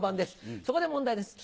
そこで問題です。